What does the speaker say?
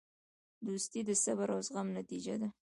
دوستي د صبر او زغم نتیجه ده.